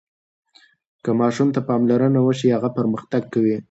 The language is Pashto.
که ماشوم ته پاملرنه وشي، هغه پرمختګ کوي.